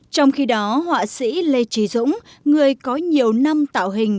trong khi đó họa sĩ lê trí dũng người có nhiều năm tạo hình